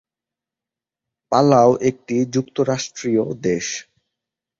Palau একটি যুক্তরাষ্ট্রীয় দেশ।